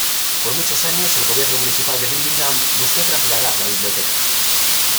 Por muchos años, el Gobierno municipal de Birmingham buscó trasladar la biblioteca.